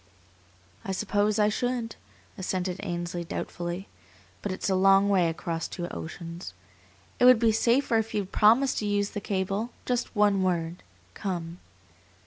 "I suppose I should," assented Ainsley, doubtfully; "but it's a long way across two oceans. It would be safer if you'd promise to use the cable. Just one word: 'Come.